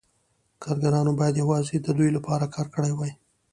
کارګرانو باید یوازې د دوی لپاره کار کړی وای